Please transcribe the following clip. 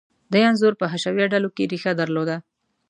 دا انځور په حشویه ډلو کې ریښه درلوده.